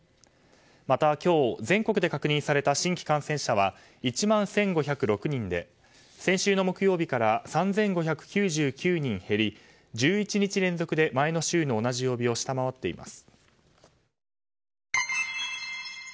また、今日全国で確認された新規感染者は１万１５０６人で先週の木曜日から３５９９人減り１１日連続で前の週の同じ曜日を下回っています。